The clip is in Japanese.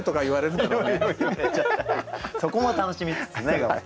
そこも楽しみつつね。